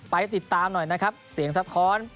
ไปติดตามหน่อยนะครับเสียงสะท้อน